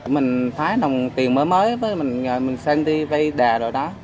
mình phái đồng tiền mới mới với mình xem đi vây đà rồi đó